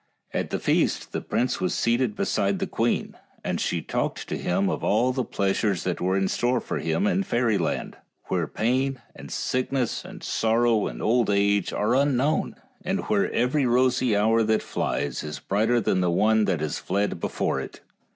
At the feast the prince was seated beside the queen, and she talked to him of all the pleasures that were in store for him in fairyland, where pain, and sickness, and sorrow, and old age, are unknown, and where every rosy hour that flies is brighter than the one that has fled before it.